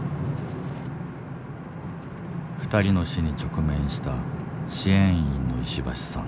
２人の死に直面した支援員の石橋さん。